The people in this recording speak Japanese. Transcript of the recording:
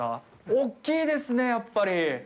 大きいですね、やっぱり。